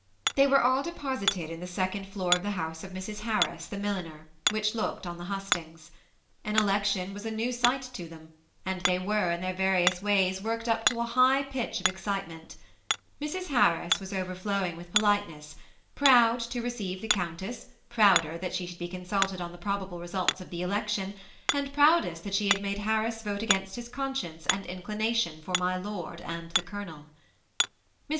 They were all depos ited in the second floor of the house of Mrs. Har ris, the milliner, which looked on the hustings. An election was a new sight to them, an^ they were, in their various ways, worked up to a high pitch of ex citement Mrs. Harris was overflowing with polite ness, proud to receive ^'the Countess," prouder that she should be consulted on the probable results of the election, and proudest that she had made Harris vote against his conscience and inclination for my lord and the Colonel. Mrs.